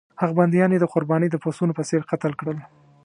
هغه بندیان یې د قربانۍ د پسونو په څېر قتل کړل.